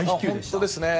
本当ですね。